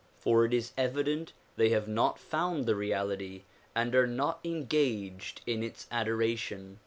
For it is evident they have not found the reality and are not engaged in its adoration.